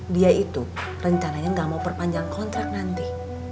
dia itu rencananya nggak mau perpanjang kontrak nanti